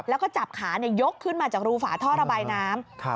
แล้วก็จับขายกขึ้นมาจากรูฝาท่อระบายน้ำ